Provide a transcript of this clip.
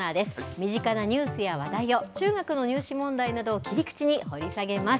身近なニュースや話題を中学の入試問題などを切り口に掘り下げます。